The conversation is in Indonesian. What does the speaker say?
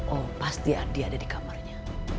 oh pasti adi ada di kamarnya